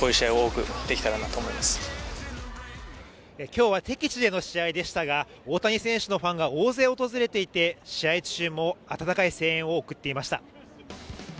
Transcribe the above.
今日は敵地での試合でしたが大谷選手のファンが大勢訪れていて、試合中も温かい声援を送っていました。